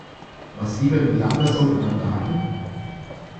Was liefern die Lambda-Sonden an Daten?